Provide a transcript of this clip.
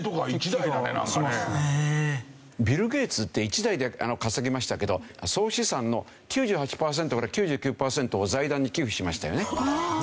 ビル・ゲイツって一代で稼ぎましたけど総資産の９８パーセントから９９パーセントを財団に寄付しましたよね。